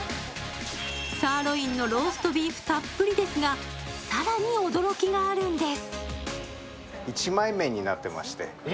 サーロインのローストビーフたっぷりですが、更に驚きがあるんです。